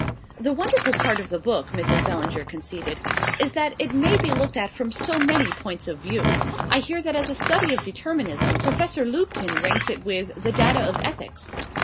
"The wonderful part of the book," Mrs. Bellinger conceded, "is that it may be looked at from so many points of view. I hear that as a study of determinism Professor Lupton ranks it with 'The Data of Ethics.